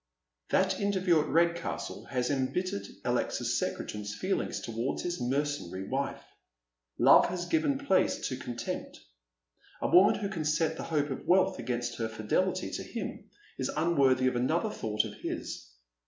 That interview at Redcastle has embittered Alexis Secretan's feelings towards his mercenary wife. Love has given place to contempt. A woman who could set the hope of wealth against her fidelity to him is unworthy of another thought of his.